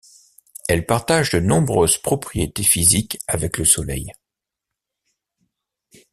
Elle partage de nombreuses propriétés physiques avec le Soleil.